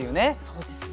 そうですね。